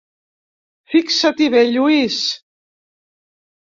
Fixa-t'hi bé, Lluís.